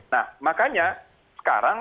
nah makanya sekarang